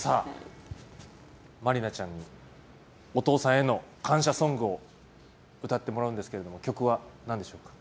さあ、真里奈ちゃんにお父さんへの感謝ソングを歌ってもらうんですが曲は何でしょうか？